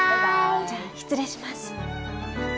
じゃあ失礼します。